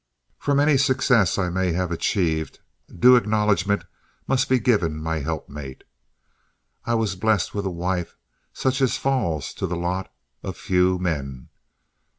For any success that I may have achieved, due acknowledgment must be given my helpmate. I was blessed with a wife such as falls to the lot of few men.